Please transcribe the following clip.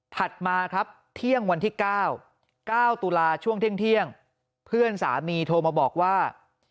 มาครับเที่ยงวันที่๙๙ตุลาช่วงเที่ยงเพื่อนสามีโทรมาบอกว่า